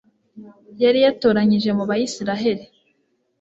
yari yatoranyije mu bayisraheli